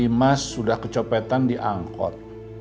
imas sudah kecopetan di angkot